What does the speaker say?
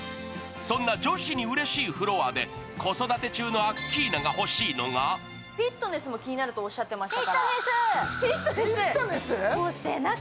そんな女子にうれしいフロアで子育て中のアッキーナが欲しいのがフィットネスも気になるとおっしゃってましたが。